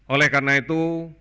oleh karena itu